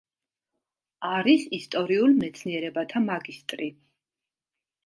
არის ისტორიულ მეცნიერებათა მაგისტრი.